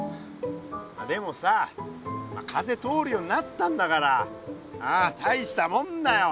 でもさ風通るようになったんだからああ大したもんだよ。